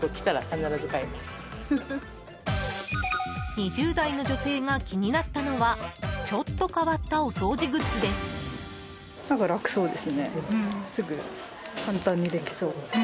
２０代の女性が気になったのはちょっと変わったお掃除グッズです。